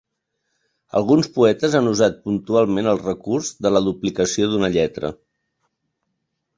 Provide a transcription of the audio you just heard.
Alguns poetes han usat puntualment el recurs de la duplicació d'una lletra.